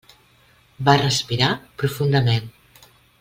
Va respirar profundament.